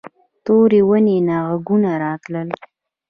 تورې ونې نه غږونه راتلل.